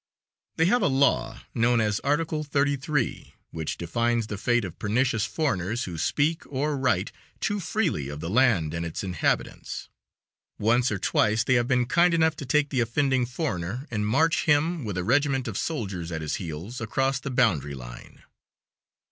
They have a law, known as "Article 33," which defines the fate of "pernicious" foreigners who speak or write too freely of the land and its inhabitants. Once or twice they have been kind enough to take the offending foreigner and march him, with a regiment of soldiers at his heels, across the boundary line.